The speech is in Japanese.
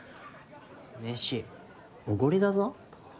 飯おごりだぞ？